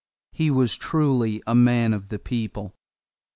He was truly a man of the people.